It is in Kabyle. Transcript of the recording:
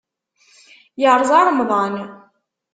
Yerẓa remḍan.